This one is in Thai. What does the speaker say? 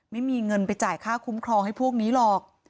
ไม่มีเงินไปจ่ายค่าคุ้มครองให้พวกนี้หรอก